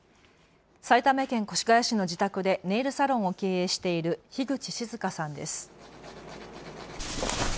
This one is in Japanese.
埼玉県越谷市の自宅でネイルサロンを経営している樋口静さんです。